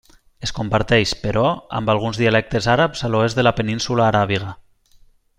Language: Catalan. Es comparteix, però, amb alguns dialectes àrabs a l'oest de la Península aràbiga.